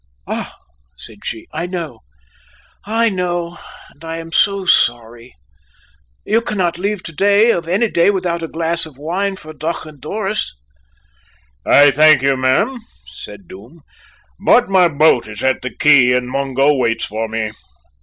"Ah," said she, "I know; I know! and I am so sorry. You cannot leave to day of any day without a glass of wine for deoch an doruis." "I thank you, ma'am," said Doom, "but my boat is at the quay, and Mungo waits for me."